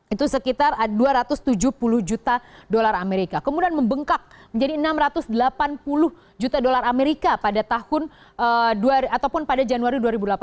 itu sekitar dua ratus tujuh puluh juta dolar amerika kemudian membengkak menjadi enam ratus delapan puluh juta dolar amerika pada tahun dua ataupun pada januari dua ribu delapan belas